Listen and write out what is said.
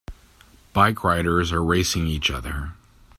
Bike riders are racing each other.